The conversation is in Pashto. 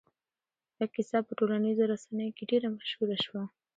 دا کيسه په ټولنيزو رسنيو کې ډېره مشهوره شوه.